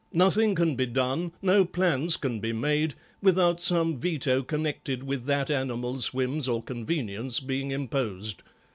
Nothing can be done, no plans can be made, without some veto connected with that animal's whims or convenience being imposed.